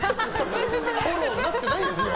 フォローになってないんですよ。